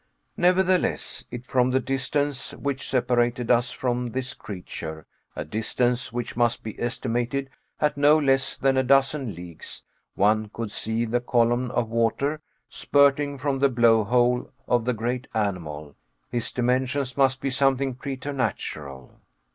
Nevertheless, if from the distance which separated us from this creature, a distance which must be estimated at not less than a dozen leagues, one could see the column of water spurting from the blow hole of the great animal, his dimensions must be something preternatural.